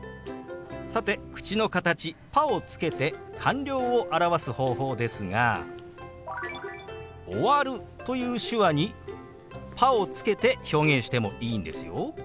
さて口の形「パ」をつけて完了を表す方法ですが「終わる」という手話に「パ」をつけて表現してもいいんですよ。